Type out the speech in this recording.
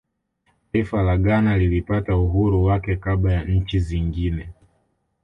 taifa la ghana lilipata uhuru wake kabla ya nchi zingine